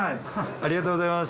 ありがとうございます。